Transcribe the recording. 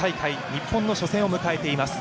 日本の初戦を迎えています。